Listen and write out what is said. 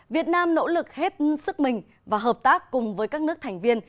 việt nam nỗ lực hết sức mình và hợp tác cùng với các nước thành viên